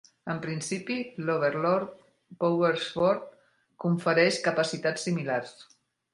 En principi, l'Overlord's Power Sword confereix capacitats similars.